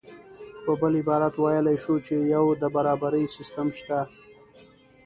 په بل عبارت ویلی شو چې یو د برابرۍ سیستم شته